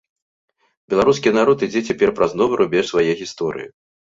Беларускі народ ідзе цяпер праз новы рубеж свае гісторыі.